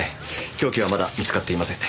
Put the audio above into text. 凶器はまだ見つかっていません。